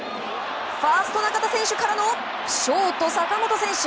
ファースト中田選手からのショート坂本選手。